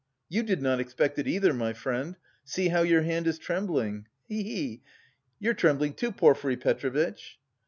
"You did not expect it either, my friend. See how your hand is trembling! He he!" "You're trembling, too, Porfiry Petrovitch!"